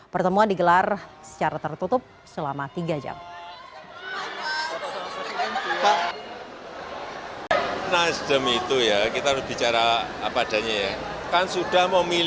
pertemuan digelar secara tertutup selama tiga jam